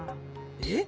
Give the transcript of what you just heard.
えっ？